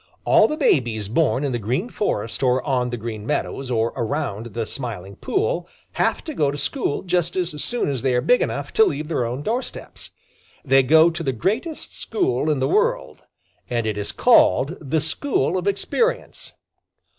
All the babies born in the Green Forest or on the Green Meadows or around the Smiling Pool have to go to school just as soon as they are big enough to leave their own doorsteps. They go to the greatest school in the world, and it is called the School of Experience.